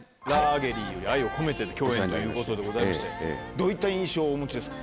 どういった印象をお持ちですか？